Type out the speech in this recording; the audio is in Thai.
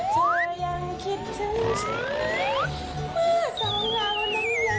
เธอยังคิดถึงชายสองราวลำลางตนที